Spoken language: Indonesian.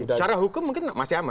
secara hukum mungkin masih aman